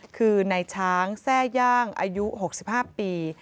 คือในช้างแทร่ย่างอายุ๖๕ปี